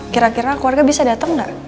kira kira keluarga bisa datang nggak